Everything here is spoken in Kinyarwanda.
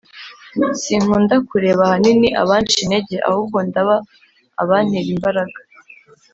Sinkunda kureba ahanini abanca intege ahubwo ndaba abantera imbaraga